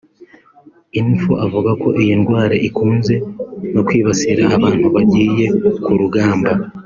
Info avuga ko iyi ndwara ikunze no kwibasira abantu bagiye ku rugamba